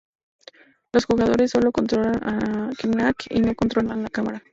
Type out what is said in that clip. Los jugadores solo controlan a Knack y no controlan la cámara.